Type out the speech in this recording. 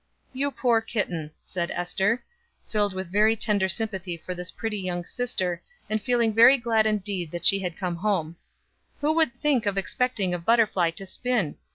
"You poor kitten," said Ester, filled with very tender sympathy for this pretty young sister and feeling very glad indeed that she had come home, "Who would think of expecting a butterfly to spin?